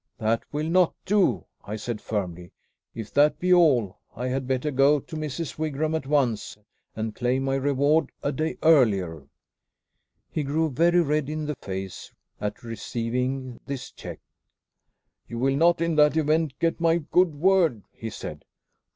"That will not do," I said firmly. "If that be all, I had better go to Mrs. Wigram at once, and claim my reward a day earlier." He grew very red in the face at receiving this check. "You will not in that event get my good word," he said.